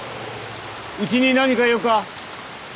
うちに何か用か？